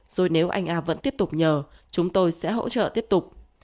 rồi nếu anh a vẫn tiếp tục nhờ chúng tôi sẽ hỗ trợ tiếp tục